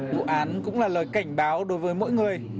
vụ án cũng là lời cảnh báo đối với mỗi người